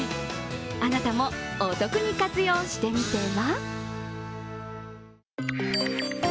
あなたもお得に活用してみては。